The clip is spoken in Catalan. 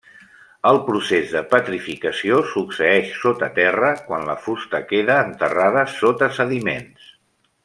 El procés de petrificació succeeix sota terra, quan la fusta queda enterrada sota sediments.